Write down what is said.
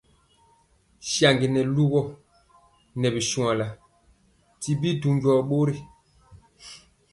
Saŋgi nɛ lugɔ nɛ bi shuanla ti bi du njɔɔ.